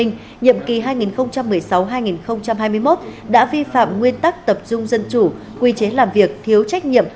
nhiệm kỳ hai nghìn một mươi sáu hai nghìn hai mươi một đã vi phạm nguyên tắc tập trung dân chủ quy chế làm việc thiếu trách nhiệm